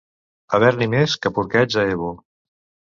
Haver-n'hi més que porquets a Ebo.